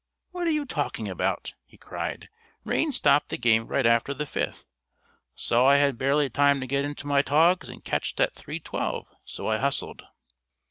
"What are you talking about?" he cried. "Rain stopped the game right after the fifth. Saw I had barely time to get into my togs and catch that three twelve, so I hustled."